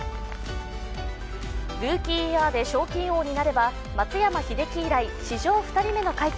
ルーキーイヤーで賞金王になれば松山英樹以来、史上２人目の快挙。